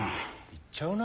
いっちゃうな。